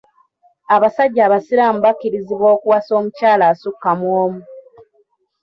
Abasajja abasiraamu bakkirizibwa okuwasa omukyala asukka mu omu.